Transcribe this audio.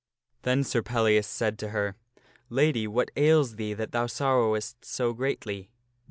Then Sir Pellias said to her, " Lady, what ails thee that thou sorrowest so greatly